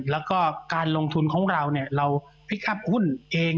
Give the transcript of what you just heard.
แล้วก็การลงทุนของเราเราพลิกอัพหุ้นเอง